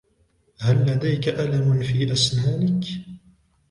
هل لديك الم في اسنانك